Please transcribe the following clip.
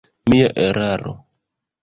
Mia eraro.